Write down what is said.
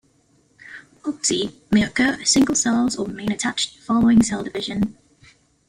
Cocci may occur as single cells or remain attached following cell division.